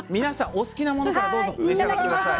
お好きなものからどうぞ召し上がって下さい。